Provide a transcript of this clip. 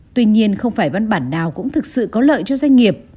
tuy nhiên không phải văn bản nào cũng thực sự có lợi cho doanh nghiệp